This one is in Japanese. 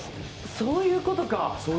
そういうことか。